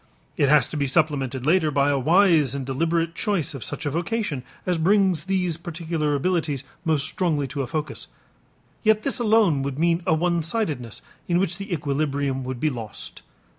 It has to be supplemented later by a wise and deliberate choice of such a vocation as brings these particular abilities most strongly to a focus. Yet this alone would mean a one sidedness in which the equilibrium would be lost.